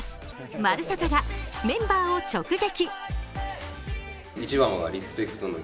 「まるサタ」がメンバーを直撃。